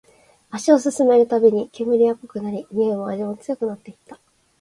足を進めるたびに、煙は濃くなり、においも味も強くなっていった